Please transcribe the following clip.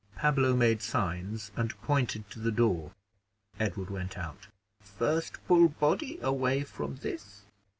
Pablo made signs, and pointed to the door. Edward went out. "First pull body away from this."